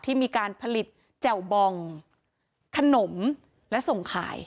ที่มีการผลิตแจ่วบองขนมและส่งขาย